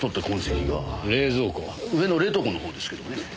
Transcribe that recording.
上の冷凍庫の方ですけどもね。